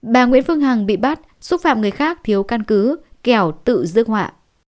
bà nguyễn phương hằng bị bắt xúc phạm người khác thiếu căn cứ kẻo tự dứt họa